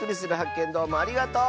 けんどうもありがとう！